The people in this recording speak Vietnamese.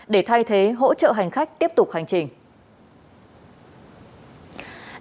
để thay thế hỗ trợ hành khách tiếp tục hành trình